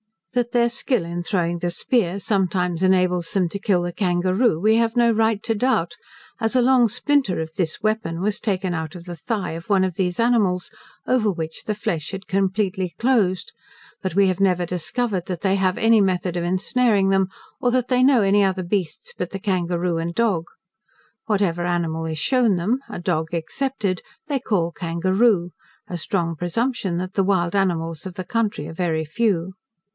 That their skill in throwing the spear sometimes enables them to kill the kangaroo we have no right to doubt, as a long splinter of this weapon was taken out of the thigh of one of these animals, over which the flesh had completely closed; but we have never discovered that they have any method of ensnaring them, or that they know any other beasts but the kangaroo and dog. Whatever animal is shewn them, a dog excepted, they call kangaroo: a strong presumption that the wild animals of the country are very few.